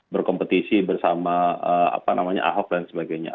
berkompetisi bersama apa namanya ahok dan sebagainya